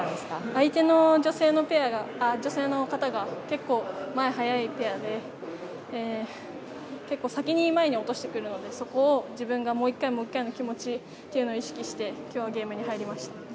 相手の女性の方が結構、前、速くて結構、先に前に落としてくるのでそこを自分がもう１回の気持ちを意識して今日はゲームに入りました。